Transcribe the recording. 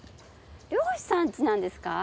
漁師さんちなんですか？